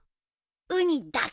ウニだけ！